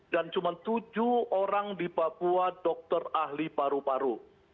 dan cuma tujuh orang di papua dokter ahli paru